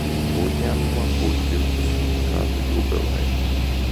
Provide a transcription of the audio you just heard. Uzņēmumam būs divdesmit gadu jubileja.